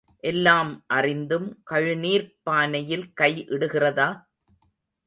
எல்லாம் அறிந்தும் கழுநீர்ப் பானையில் கை இடுகிறதா?